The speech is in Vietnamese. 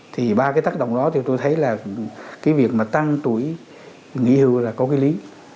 thì ba cái tác động đó thì tôi thấy là cái việc mà tăng tuổi nghỉ hưu là có cái lý